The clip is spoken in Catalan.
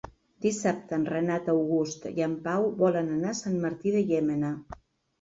Dissabte en Renat August i en Pau volen anar a Sant Martí de Llémena.